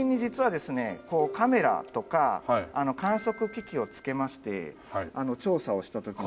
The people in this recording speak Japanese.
こうカメラとか観測機器を付けまして調査をした時の。